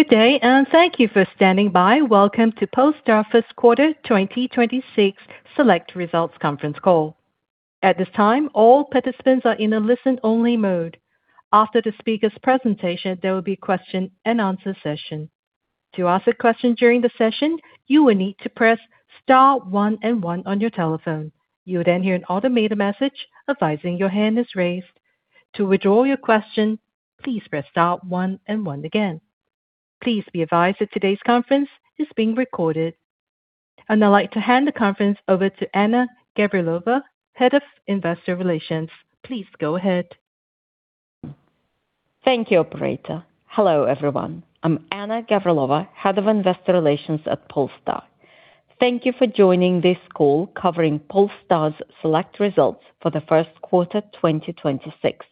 Good day, and thank you for standing by. Welcome to Polestar First Quarter 2026 Select Results Conference Call. At this time, all participants are in a listen-only mode. After the speaker's presentation, there will be question-and-answer session. To ask a question during the session, you will need to press star one and one on your telephone. You will then hear an automated message advising your hand is raised. To withdraw your question, press star one and one again. Please be advised that today's conference is being recorded. I'd now like to hand the conference over to Anna Gavrilova, Head of Investor Relations. Please go ahead. Thank you, operator. Hello, everyone. I'm Anna Gavrilova, Head of Investor Relations at Polestar. Thank you for joining this call covering Polestar's select results for the first quarter 2026.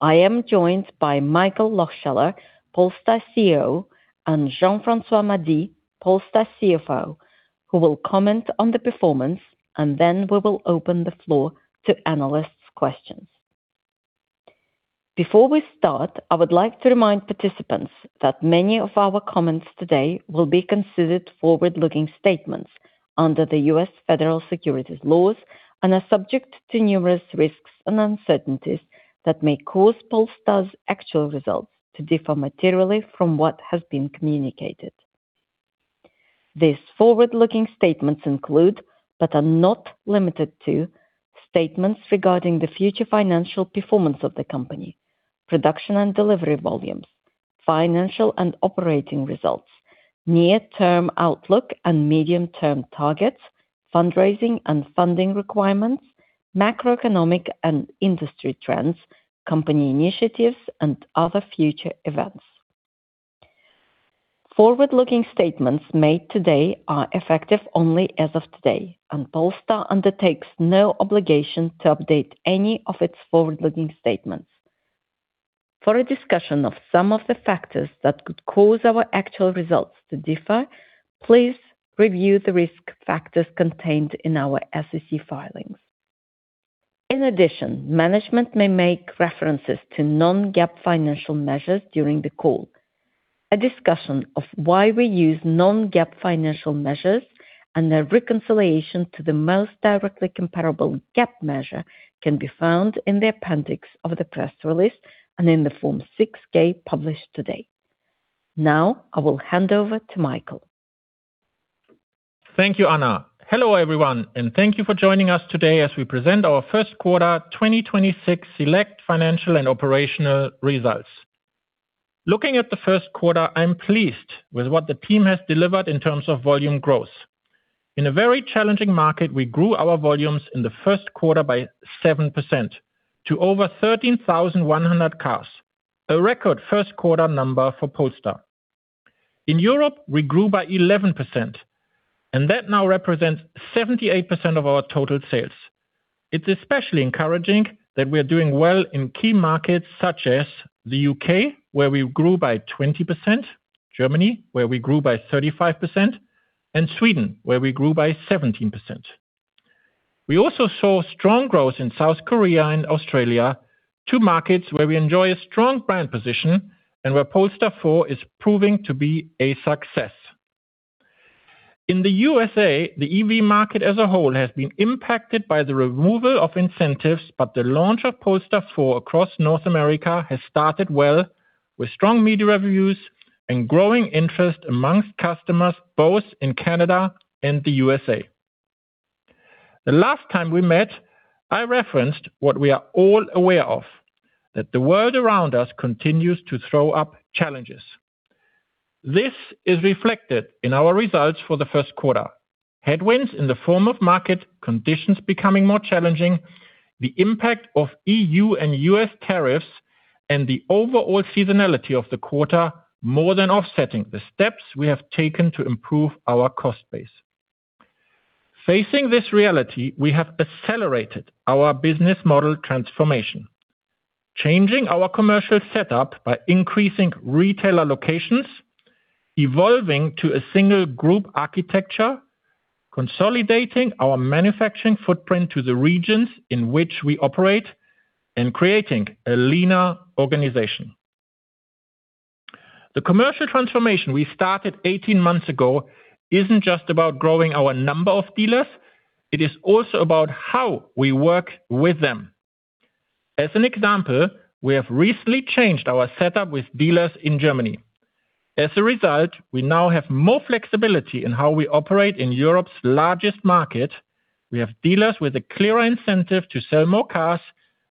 I am joined by Michael Lohscheller, Polestar CEO; and Jean-François Mady, Polestar CFO, who will comment on the performance. Then we will open the floor to analysts' questions. Before we start, I would like to remind participants that many of our comments today will be considered forward-looking statements under the U.S. Federal Securities laws and are subject to numerous risks and uncertainties that may cause Polestar's actual results to differ materially from what has been communicated. These forward-looking statements include, but are not limited to, statements regarding the future financial performance of the company, production and delivery volumes, financial and operating results, near-term outlook and medium-term targets, fundraising and funding requirements, macroeconomic and industry trends, company initiatives, and other future events. Forward-looking statements made today are effective only as of today, Polestar undertakes no obligation to update any of its forward-looking statements. For a discussion of some of the factors that could cause our actual results to differ, please review the risk factors contained in our SEC filings. In addition, management may make references to non-GAAP financial measures during the call. A discussion of why we use non-GAAP financial measures and their reconciliation to the most directly comparable GAAP measure can be found in the appendix of the press release and in the Form 6-K published today. Now I will hand over to Michael. Thank you, Anna. Hello, everyone, and thank you for joining us today as we present our first quarter 2026 select financial and operational results. Looking at the first quarter, I'm pleased with what the team has delivered in terms of volume growth. In a very challenging market, we grew our volumes in the first quarter by 7% to over 13,100 cars, a record first quarter number for Polestar. In Europe, we grew by 11%, and that now represents 78% of our total sales. It's especially encouraging that we are doing well in key markets such as the U.K., where we grew by 20%, Germany, where we grew by 35%, and Sweden, where we grew by 17%. We also saw strong growth in South Korea and Australia, two markets where we enjoy a strong brand position and where Polestar 4 is proving to be a success. In the USA, the EV market as a whole has been impacted by the removal of incentives, but the launch of Polestar 4 across North America has started well with strong media reviews and growing interest amongst customers both in Canada and the USA. The last time we met, I referenced what we are all aware of, that the world around us continues to throw up challenges. This is reflected in our results for the first quarter. Headwinds in the form of market conditions becoming more challenging, the impact of EU and U.S. tariffs, and the overall seasonality of the quarter more than offsetting the steps we have taken to improve our cost base. Facing this reality, we have accelerated our business model transformation, changing our commercial setup by increasing retailer locations, evolving to a single group architecture, consolidating our manufacturing footprint to the regions in which we operate, and creating a leaner organization. The commercial transformation we started 18 months ago isn't just about growing our number of dealers. It is also about how we work with them. As an example, we have recently changed our setup with dealers in Germany. As a result, we now have more flexibility in how we operate in Europe's largest market. We have dealers with a clearer incentive to sell more cars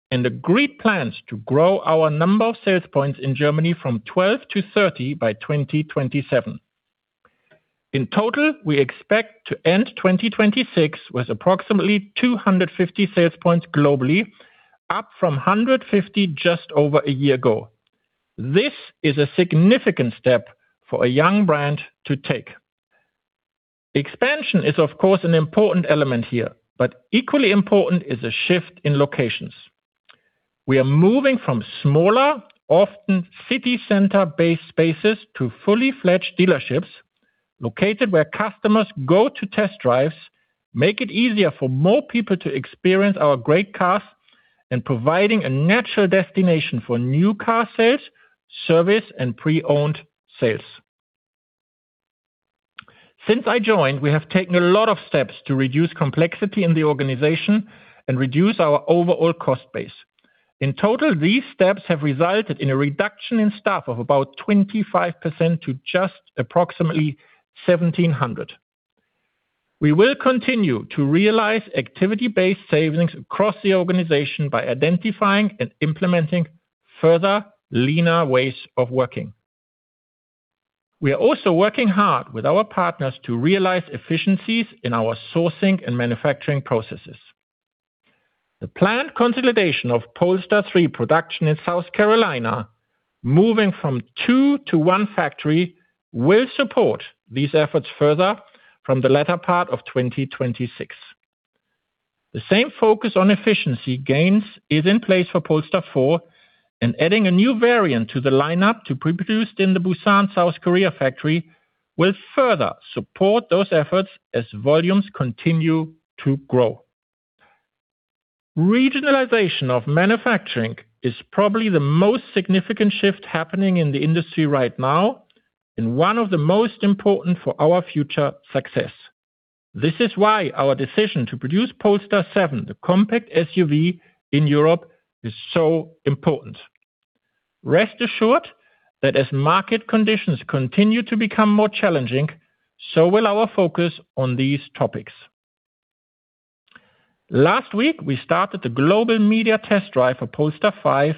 and agreed plans to grow our number of sales points in Germany from 12 to 30 by 2027. In total, we expect to end 2026 with approximately 250 sales points globally, up from 150 just over a year ago. This is a significant step for a young brand to take. Expansion is of course an important element here, equally important is a shift in locations. We are moving from smaller, often city center-based spaces to fully fledged dealerships, located where customers go to test drives, make it easier for more people to experience our great cars and providing a natural destination for new car sales, service, and pre-owned sales. Since I joined, we have taken a lot of steps to reduce complexity in the organization and reduce our overall cost base. In total, these steps have resulted in a reduction in staff of about 25% to just approximately 1,700. We will continue to realize activity-based savings across the organization by identifying and implementing further leaner ways of working. We are also working hard with our partners to realize efficiencies in our sourcing and manufacturing processes. The planned consolidation of Polestar 3 production in South Carolina, moving from 2 to 1 factory, will support these efforts further from the latter part of 2026. The same focus on efficiency gains is in place for Polestar 4, and adding a new variant to the lineup to be produced in the Busan, South Korea factory will further support those efforts as volumes continue to grow. Regionalization of manufacturing is probably the most significant shift happening in the industry right now and one of the most important for our future success. This is why our decision to produce Polestar 7, the compact SUV in Europe, is so important. Rest assured that as market conditions continue to become more challenging, so will our focus on these topics. Last week, we started the global media test drive for Polestar 5,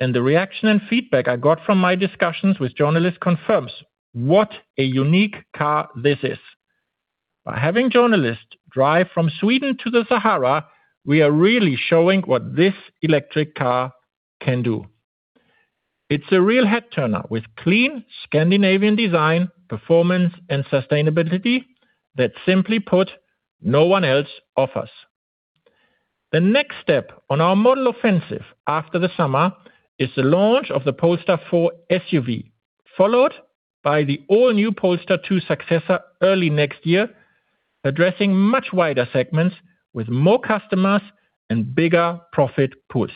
and the reaction and feedback I got from my discussions with journalists confirms what a unique car this is. By having journalists drive from Sweden to the Sahara, we are really showing what this electric car can do. It's a real head turner with clean Scandinavian design, performance, and sustainability that simply put, no one else offers. The next step on our model offensive after the summer is the launch of the Polestar 4 SUV, followed by the all-new Polestar 2 successor early next year, addressing much wider segments with more customers and bigger profit pools.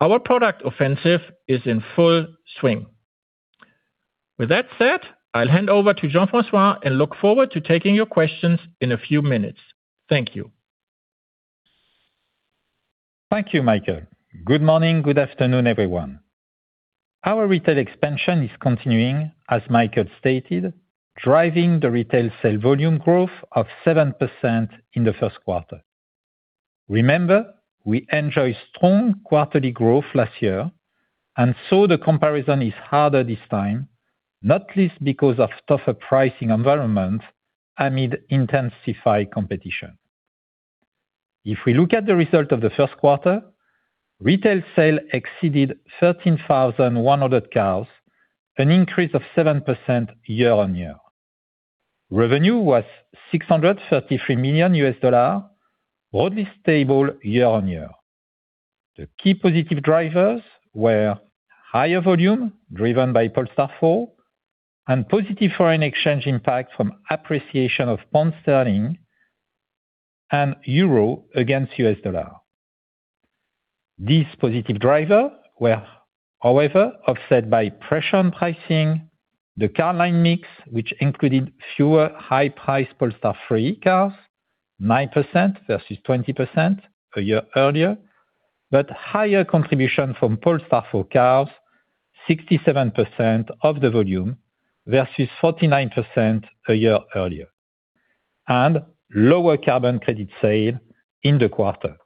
Our product offensive is in full swing. With that said, I'll hand over to Jean-François and look forward to taking your questions in a few minutes. Thank you. Thank you, Michael. Good morning, good afternoon, everyone. Our retail expansion is continuing, as Michael stated, driving the retail sale volume growth of 7% in the 1st quarter. Remember, we enjoy strong quarterly growth last year, so the comparison is harder this time, not least because of tougher pricing environment amid intensified competition. If we look at the result of the 1st quarter, retail sale exceeded 13,100 cars, an increase of 7% year-on-year. Revenue was $633 million, broadly stable year-on-year. The key positive drivers were higher volume driven by Polestar 4 and positive foreign exchange impact from appreciation of pound sterling and euro against US dollar. These positive driver were, however, offset by pressure on pricing the car line mix, which included fewer high-priced Polestar 3 cars, 9% versus 20% a year earlier, but higher contribution from Polestar 4 cars, 67% of the volume versus 49% a year earlier, and lower carbon credit sales in the quarter.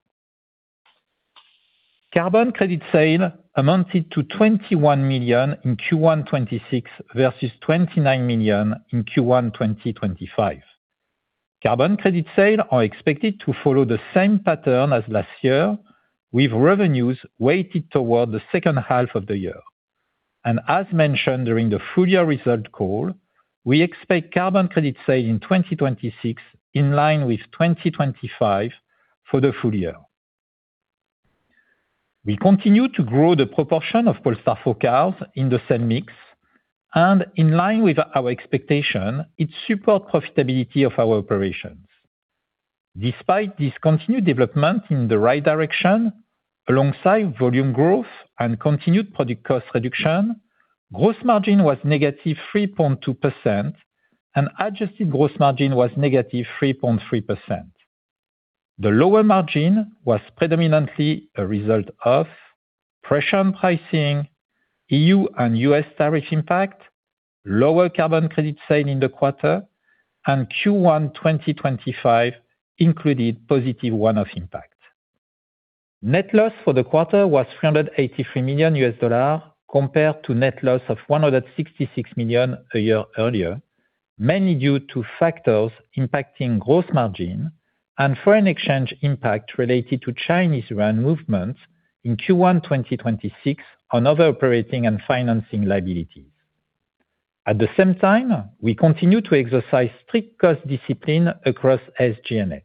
Carbon credit sales amounted to $21 million in Q1 2026 versus $29 million in Q1 2025. Carbon credit sales are expected to follow the same pattern as last year, with revenues weighted toward the second half of the year. As mentioned during the full year result call, we expect carbon credit sales in 2026 in line with 2025 for the full year. We continue to grow the proportion of Polestar 4 cars in the sale mix, and in line with our expectation, it support profitability of our operations. Despite this continued development in the right direction, alongside volume growth and continued product cost reduction, gross margin was -3.2% and adjusted gross margin was -3.3%. The lower margin was predominantly a result of pressure on pricing, EU and U.S. tariff impact, lower carbon credit sale in the quarter, and Q1 2025 included positive one-off impact. Net loss for the quarter was $383 million compared to net loss of $166 million a year earlier, mainly due to factors impacting gross margin and foreign exchange impact related to Chinese yuan movements in Q1 2026 on other operating and financing liabilities. At the same time, we continue to exercise strict cost discipline across SG&A.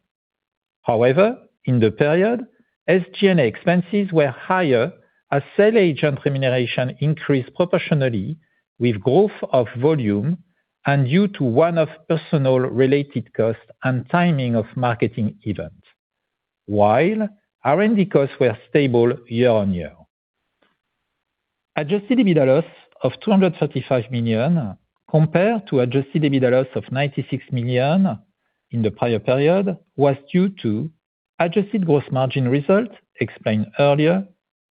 However, in the period, SG&A expenses were higher as sales agent remuneration increased proportionally with growth of volume and due to one-off personal related costs and timing of marketing event. While R&D costs were stable year-on-year. Adjusted EBITDA loss of $235 million, compared to adjusted EBITDA loss of $96 million in the prior period, was due to adjusted gross margin result explained earlier,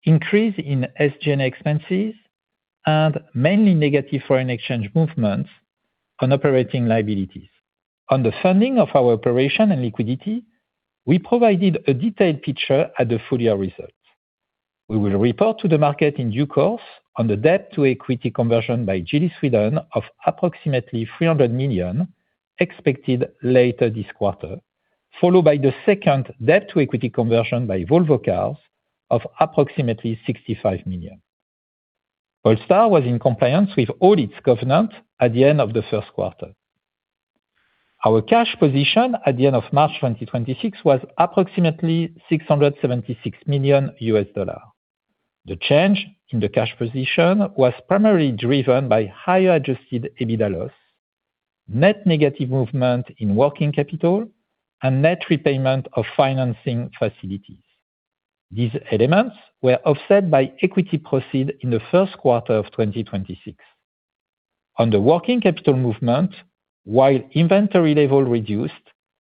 increase in SG&A expenses, and mainly negative foreign exchange movements on operating liabilities. On the funding of our operation and liquidity, we provided a detailed picture at the full year results. We will report to the market in due course on the debt to equity conversion by Geely Sweden of approximately $300 million, expected later this quarter, followed by the second debt to equity conversion by Volvo Cars of approximately $65 million. Polestar was in compliance with all its covenant at the end of the first quarter. Our cash position at the end of March 2026 was approximately $676 million. The change in the cash position was primarily driven by higher adjusted EBITDA loss, net negative movement in working capital, and net repayment of financing facilities. These elements were offset by equity proceed in the first quarter of 2026. On the working capital movement, while inventory level reduced,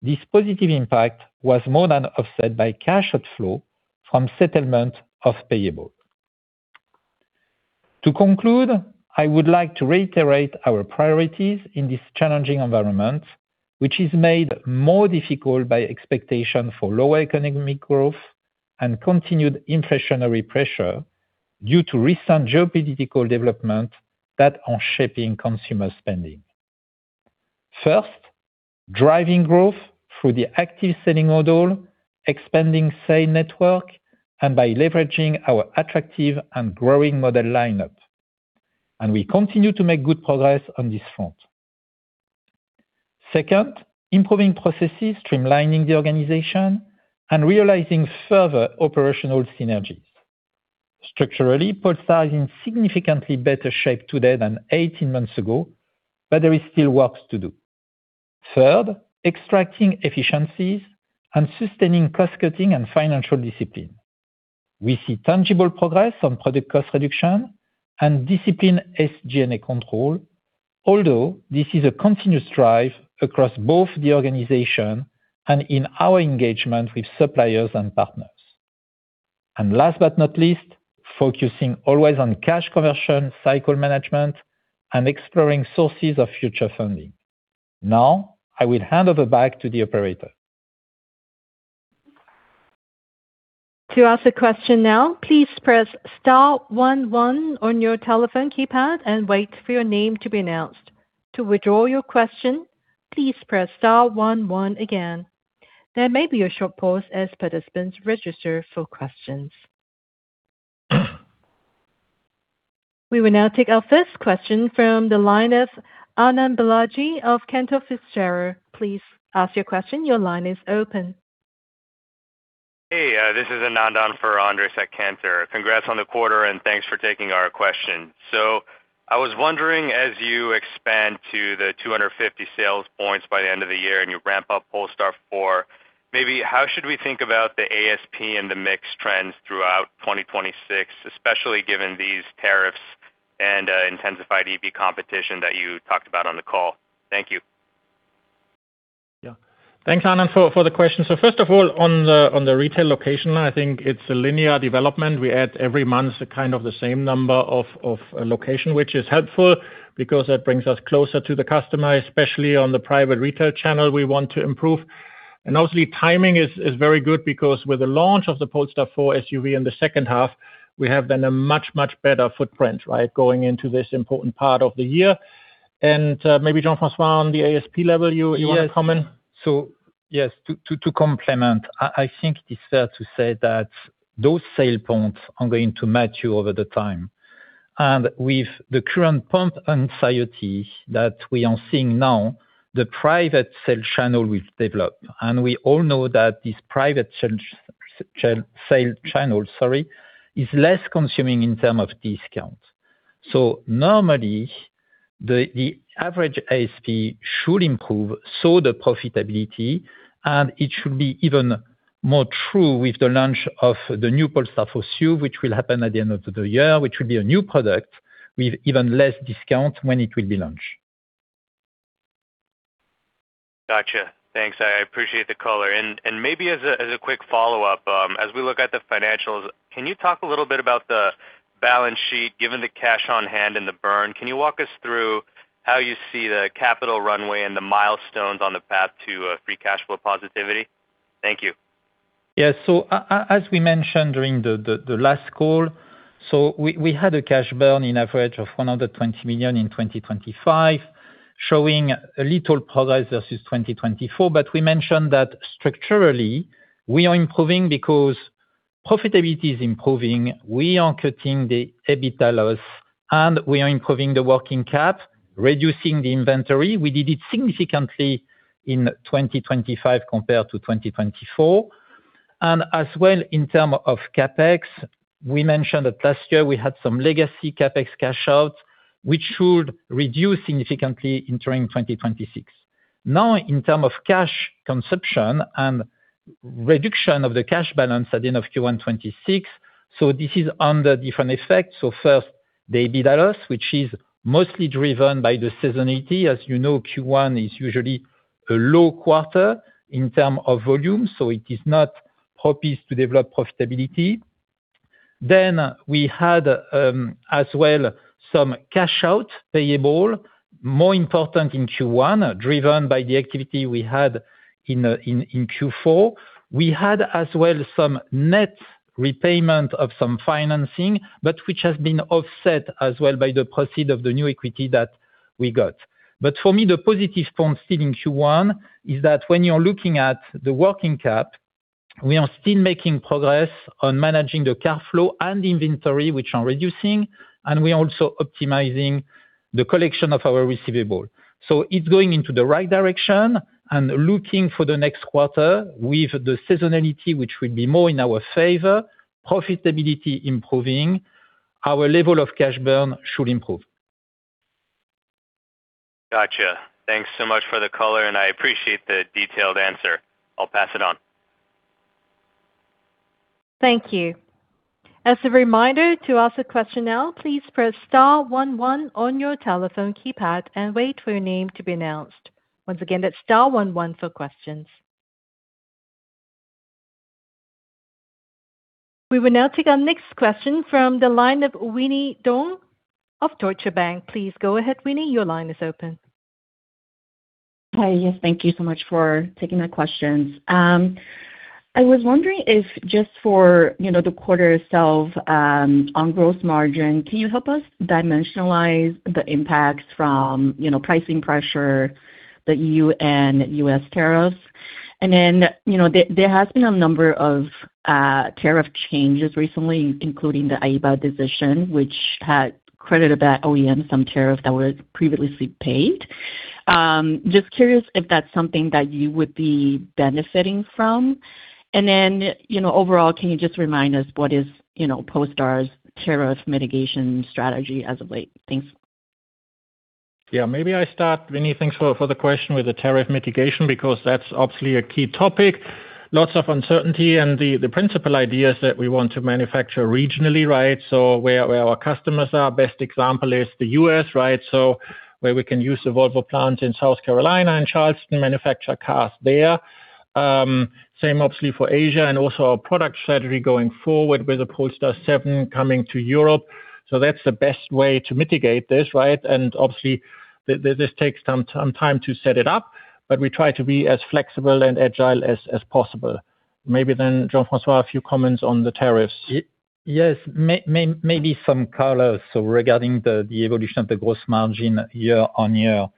this positive impact was more than offset by cash outflow from settlement of payable. To conclude, I would like to reiterate our priorities in this challenging environment, which is made more difficult by expectation for lower economic growth and continued inflationary pressure due to recent geopolitical development that are shaping consumer spending. First, driving growth through the active selling model, expanding sale network, and by leveraging our attractive and growing model lineup. We continue to make good progress on this front. Second, improving processes, streamlining the organization, and realizing further operational synergies. Structurally, Polestar is in significantly better shape today than 18 months ago, but there is still work to do. Third, extracting efficiencies and sustaining cost-cutting and financial discipline. We see tangible progress on product cost reduction and discipline SG&A control, although this is a continuous drive across both the organization and in our engagement with suppliers and partners. Last but not least, focusing always on cash conversion, cycle management, and exploring sources of future funding. I will hand over back to the operator. To ask a question now, please press star one one on your telephone keypad and wait for your name to be announced. To withdraw your question, please press star one one again. There may be a short pause as participants register for questions. We will now take our first question from the line of Anand Balaji of Cantor Fitzgerald. Please ask your question. Your line is open. Hey, this is Anand for Andres at Cantor. Congrats on the quarter, and thanks for taking our question. I was wondering, as you expand to the 250 sales points by the end of the year, and you ramp up Polestar 4, maybe how should we think about the ASP and the mix trends throughout 2026, especially given these tariffs and intensified EV competition that you talked about on the call? Thank you. Thanks, Anand, for the question. First of all, on the retail location, I think it's a linear development. We add every month kind of the same number of location, which is helpful because that brings us closer to the customer, especially on the private retail channel we want to improve. Obviously, timing is very good because with the launch of the Polestar 4 SUV in the second half, we have then a much better footprint going into this important part of the year. Maybe Jean-François, on the ASP level, you want to comment? Yes. Yes, to complement, I think it's fair to say that those sale points are going to mature over the time. With the current pump anxiety that we are seeing now, the private sale channel we've developed, and we all know that this private sale channel, sorry, is less consuming in term of discount. Normally, the average ASP should improve, so the profitability, and it should be even more true with the launch of the new Polestar 4 SUV, which will happen at the end of the year, which will be a new product with even less discount when it will be launched. Gotcha. Thanks. I appreciate the color. Maybe as a quick follow-up, as we look at the financials, can you talk a little bit about the balance sheet, given the cash on hand and the burn? Can you walk us through how you see the capital runway and the milestones on the path to free cash flow positivity? Thank you. As we mentioned during the last call, we had a cash burn in average of $120 million in 2025, showing a little progress versus 2024. We mentioned that structurally, we are improving because profitability is improving. We are cutting the EBITDA loss, and we are improving the working cap, reducing the inventory. We did it significantly in 2025 compared to 2024. As well in term of CapEx, we mentioned that last year we had some legacy CapEx cash out, which should reduce significantly during 2026. In term of cash consumption and reduction of the cash balance at the end of Q1 2026, this is under different effects. First, the EBITDA loss, which is mostly driven by the seasonality. As you know, Q1 is usually a low quarter in terms of volume, so it is not proper to develop profitability. We had as well some cash out payable, more important in Q1, driven by the activity we had in Q4. We had as well some net repayment of some financing, but which has been offset as well by the proceed of the new equity that we got. For me, the positive from still in Q1 is that when you're looking at the working cap, we are still making progress on managing the cash flow and inventory, which are reducing, and we're also optimizing the collection of our receivable. It's going into the right direction and looking for the next quarter with the seasonality, which will be more in our favor, profitability improving, our level of cash burn should improve. Gotcha. Thanks so much for the color, and I appreciate the detailed answer. I'll pass it on. Thank you. As a reminder, to ask a question now, please press star one one on your telephone keypad and wait for your name to be announced. Once again, that's star one one for questions. We will now take our next question from the line of Winnie Dong of Deutsche Bank. Please go ahead, Winnie. Your line is open. Hi. Yes, thank you so much for taking my questions. I was wondering if just for, you know, the quarter itself, on growth margin, can you help us dimensionalize the impacts from, you know, pricing pressure, the EU and U.S. tariffs? You know, there has been a number of tariff changes recently, including the IEEPA decision, which had credited that OEM some tariff that was previously paid. Just curious if that's something that you would be benefiting from. You know, overall, can you just remind us what is, you know, Polestar's tariff mitigation strategy as of late? Thanks. Maybe I start, Winnie, thanks for the question, with the tariff mitigation, because that's obviously a key topic. Lots of uncertainty. The principal idea is that we want to manufacture regionally, right? Where our customers are. Best example is the U.S., right? Where we can use the Volvo plant in South Carolina and Charleston manufacture cars there. Same obviously for Asia and also our product strategy going forward with the Polestar 7 coming to Europe. That's the best way to mitigate this, right? Obviously, this takes some time to set it up, but we try to be as flexible and agile as possible. Maybe, Jean-François, a few comments on the tariffs. Yes. Maybe some color regarding the evolution of the gross margin year-on-year.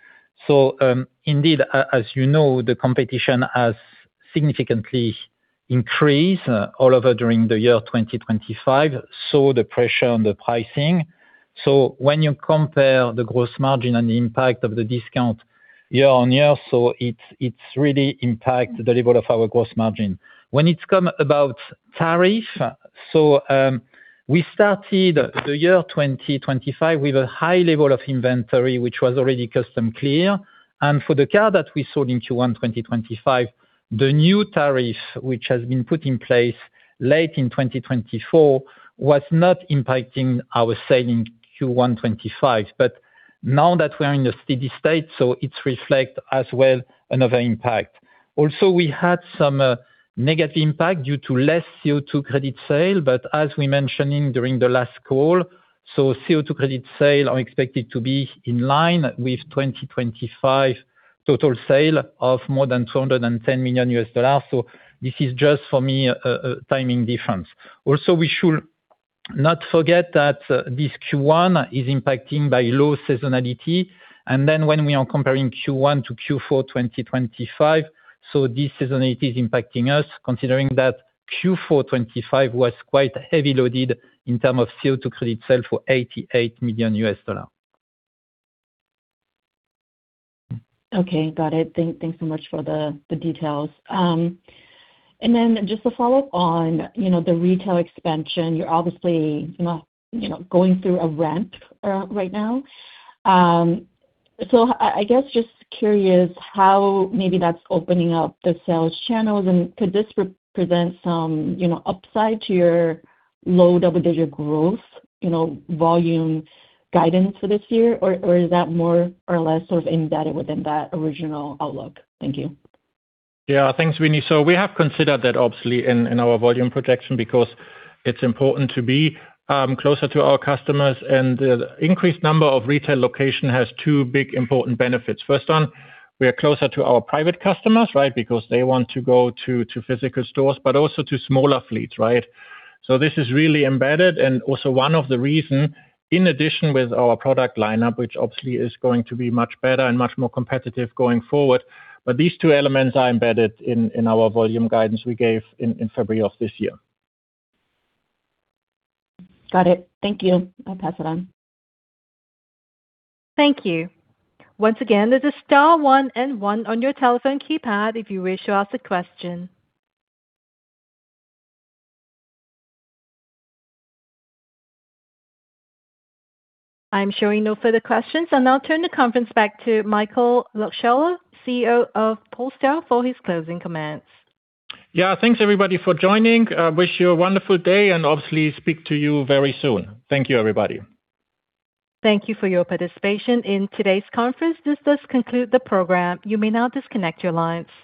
Indeed, as you know, the competition has significantly increased all over during 2025, the pressure on the pricing. When you compare the gross margin and the impact of the discount year-on-year, it's really impacted the level of our gross margin. When it's come about tariff, we started 2025 with a high level of inventory, which was already custom clear. For the car that we sold in Q1 2025, the new tariff, which has been put in place late in 2024, was not impacting our sale in Q1 2025. Now that we're in a steady state, it reflects as well another impact. We had some negative impact due to less carbon credit sales. As we mentioned during the last call, carbon credit sales are expected to be in line with 2025 total sale of more than $210 million. This is just for me a timing difference. We should not forget that this Q1 is impacting by low seasonality. When we are comparing Q1 to Q4 2025, this seasonality is impacting us considering that Q4 2025 was quite heavy loaded in term of carbon credit sales for $88 million. Okay. Got it. Thanks so much for the details. Just to follow up on, you know, the retail expansion, you're obviously, you know, going through a ramp right now. I guess just curious how maybe that's opening up the sales channels, and could this represent some, you know, upside to your low double-digit growth, you know, volume guidance for this year? Or is that more or less sort of embedded within that original outlook? Thank you. Yeah. Thanks, Winnie. We have considered that obviously in our volume projection because it's important to be closer to our customers. The increased number of retail location has two big important benefits. First one, we are closer to our private customers, right? Because they want to go to physical stores, but also to smaller fleets, right? This is really embedded and also one of the reason, in addition with our product lineup, which obviously is going to be much better and much more competitive going forward. These two elements are embedded in our volume guidance we gave in February of this year. Got it. Thank you. I'll pass it on. Thank you. Once again, this is star one and one on your telephone keypad if you wish to ask a question. I'm showing no further questions. I'll now turn the conference back to Michael Lohscheller, CEO of Polestar, for his closing comments. Thanks, everybody, for joining. I wish you a wonderful day and obviously speak to you very soon. Thank you, everybody. Thank you for your participation in today's conference. This does conclude the program. You may now disconnect your lines.